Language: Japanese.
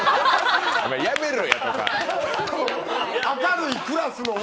「やめろや」とか。